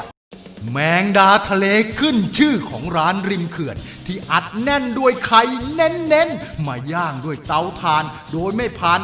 ผมไม่เคยกินจริงเลยนะครับไข่แม่งดาเนี่ย